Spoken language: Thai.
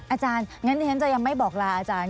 อาจารย์งั้นที่ฉันจะยังไม่บอกลาอาจารย์